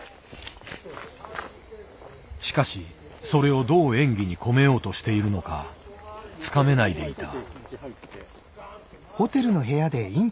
しかしそれをどう演技に込めようとしているのかつかめないでいた。